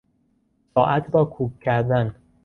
ساعت را کوک کردن